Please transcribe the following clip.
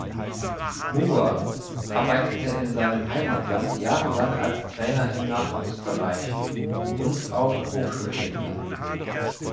Moore arbeitete in seinem Heimatland jahrelang als Trainer im Nachwuchsbereich und auf Hochschulebene.